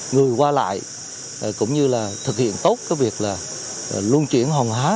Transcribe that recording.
người qua lại cũng như là thực hiện tốt cái việc là luân chuyển hồng há